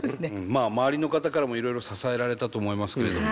まあ周りの方からもいろいろ支えられたと思いますけれども。